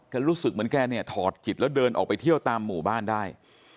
รู้สึกเหมือนแกเนี่ยถอดจิตแล้วเดินออกไปเที่ยวตามหมู่บ้านได้